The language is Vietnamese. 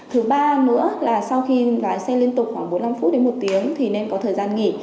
thứ ba nữa là sau khi lái xe liên tục khoảng bốn mươi năm phút đến một tiếng thì nên có thời gian nghỉ